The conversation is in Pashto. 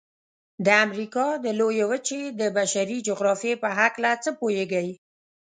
د امریکا د لویې وچې د بشري جغرافیې په هلکه څه پوهیږئ؟